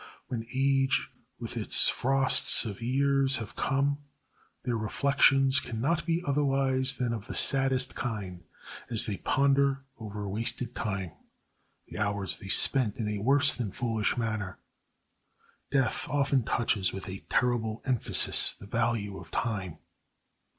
When age with its frosts of years has come their reflections can not be otherwise than of the saddest kind as they ponder over wasted time, the hours they spent in a worse than foolish manner. Death often touches with a terrible emphasis the value of time.